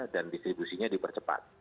dan distribusinya dipercepat